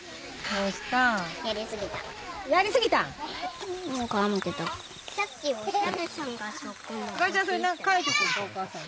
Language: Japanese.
お母さんに。